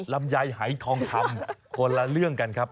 ลำไยหายทองคำคนละเรื่องกันครับ